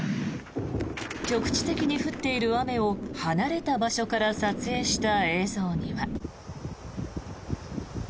局地的に降っている雨を離れた場所から撮影した映像には。